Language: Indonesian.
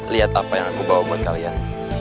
lihat apa yang aku bawa buat kalian